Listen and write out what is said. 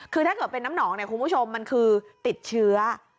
คือถ้าเกิดเป็นน้ำหนองเนี่ยคุณผู้ชมมันคือติดเชื้อ